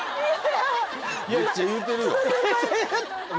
めっちゃ言うてるよ